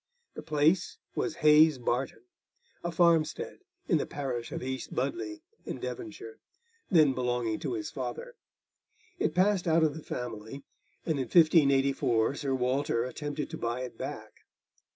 The place was Hayes Barton, a farmstead in the parish of East Budleigh, in Devonshire, then belonging to his father; it passed out of the family, and in 1584 Sir Walter attempted to buy it back.